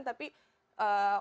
tapi orang tua juga